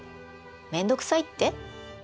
面倒くさいって？